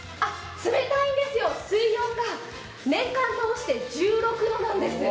冷たいんですよ、水温が年間通して１６度なんです。